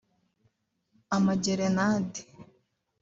amagerenade